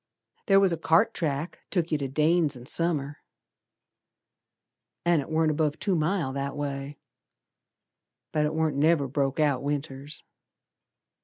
Ther was a cart track took yer to Dane's in Summer, An' it warn't above two mile that way, But it warn't never broke out Winters.